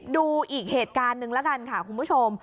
ดูอีกเหตุการณ์หนึ่งแล้วกันค่ะคุณผู้ชม